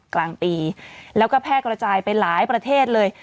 กลางปีแล้วก็แพร่กระจายไปหลายประเทศเลย